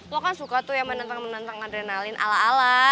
lo kan suka tuh ya menentang menentang adrenalin ala ala